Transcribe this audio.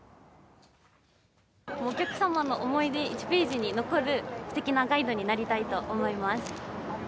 お客様の思い出１ページに残るすてきなガイドになりたいと思います。